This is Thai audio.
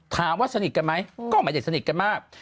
ถามว่าสนิทกันไหมก็ไม่ได้สนิทกันมาก